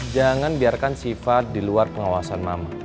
jangan biarkan sifat di luar pengawasan mama